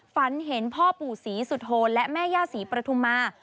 ฝันเห็นพ่อปู่ศรีสุโธนและแม่ย่าศรีปฐุมา